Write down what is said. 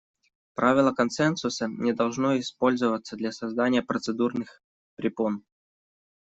Правило консенсуса не должно использоваться для создания процедурных препон.